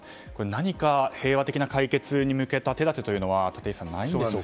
何か平和的解決に向けた手立てというのは立石さん、ないんでしょうか。